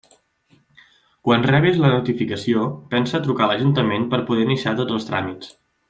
Quan rebis la notificació, pensa a trucar a l'ajuntament per poder iniciar tots els tràmits.